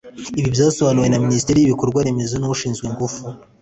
Ibi byasobanuwe na Minisitiri w’Ibikorwa remezo ushinzwe ingufu